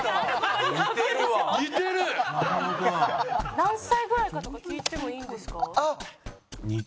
何歳ぐらいかとか聞いてもいいんですか？